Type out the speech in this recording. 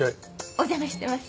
お邪魔してます。